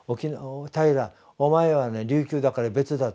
「平良お前は琉球だから別だ。